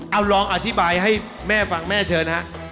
เอาลองอธิบายให้แม่ฟังแม่เชิญฮะ